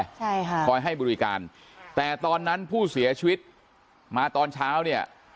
ใช่ค่ะคอยให้บริการแต่ตอนนั้นผู้เสียชีวิตมาตอนเช้าเนี่ย